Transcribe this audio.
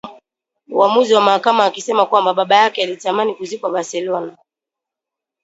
uamuzi wa mahakama akisema kwamba baba yake alitamani kuzikwa Barcelona